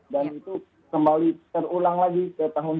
dan itu kembali terulang lagi ke tahun dua ribu dua puluh